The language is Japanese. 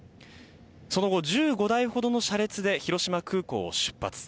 その後、１５台ほどの車列で広島空港を出発。